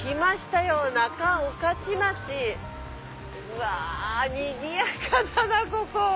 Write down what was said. うわにぎやかだなぁ！